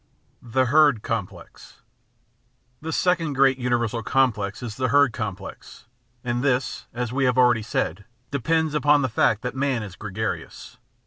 The Herd Complex The second great imiversal complex is the herd complex, and this, as we have already said, depends upon the fact that man is gregarious.